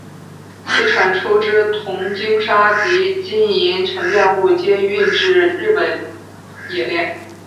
其产出之铜精砂及金银沉淀物皆运至日本冶炼。